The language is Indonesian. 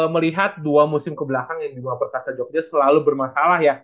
melihat dua musim kebelakang yang jumlah perkasa jogja selalu bermasalah ya